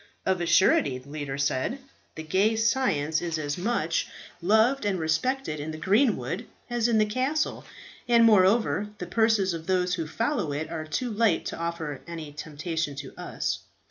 "Of a surety," the leader said, "the gay science is as much loved and respected in the greenwood as in the castle; and moreover, the purses of those who follow it are too light to offer any temptation to us.